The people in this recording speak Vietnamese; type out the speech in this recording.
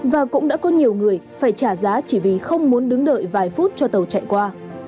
và cũng đã có nhiều người phải trả giá chỉ vì không muốn đứng đợi vài phút cho tàu chạy qua